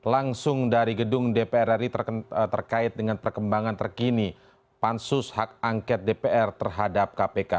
langsung dari gedung dpr ri terkait dengan perkembangan terkini pansus hak angket dpr terhadap kpk